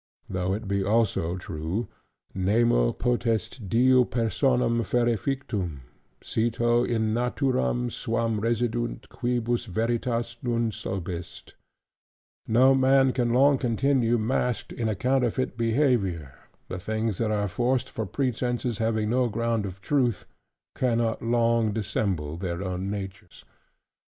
Though it be also true, "Nemo potest diu personam ferre fictam: cito in naturam suam residunt, quibus veritas non subest": "No man can long continue masked in a counterfeit behavior: the things that are forced for pretences having no ground of truth, cannot long dissemble their own natures."